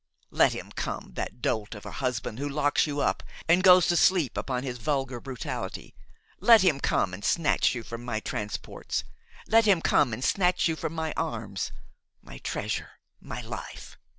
Let him come, that dolt of a husband who locks you up and goes to sleep upon his vulgar brutality, let him come and snatch you from my transports! let him come and snatch you from my arms, my treasure, my life